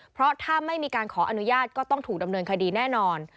เพราะถ้าไม่มีการขออนุญาตก็ต้องถูกดำเนินคดีแน่นอน